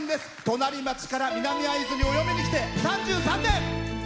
隣町から南会津にお嫁にきて３３年。